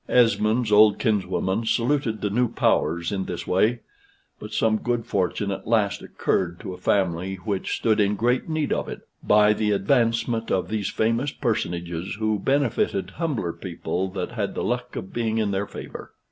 Esmond's old kinswoman saluted the new powers in this way; but some good fortune at last occurred to a family which stood in great need of it, by the advancement of these famous personages who benefited humbler people that had the luck of being in their favor.